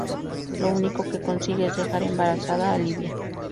Lo único que consigue es dejar embarazada a Livia.